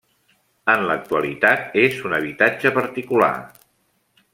En l'actualitat és un habitatge particular.